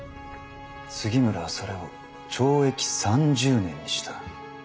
杉村はそれを懲役三十年にした。